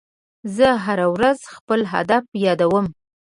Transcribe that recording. زه هره ورځ خپل هدف یادوم.